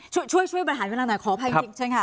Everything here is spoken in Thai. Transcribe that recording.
ช่วยคุณมาหลังหน่อยคอผัยคุณ